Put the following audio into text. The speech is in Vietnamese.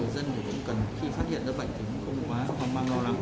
rồi người dân cũng cần khi phát hiện ra bệnh thì không quá hoang mang lo lắng